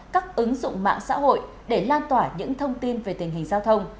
các ứng dụng mạng xã hội để lan tỏa những thông tin về tình hình giao thông